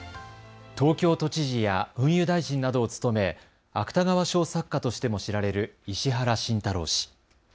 東京都知事や運輸大臣などを務め芥川賞作家としても知られる石原慎太郎氏。